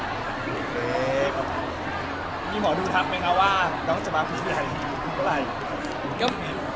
โอเคมีหมอดูทักไหมคะว่าน้องจะมาพี่ไหนเวลา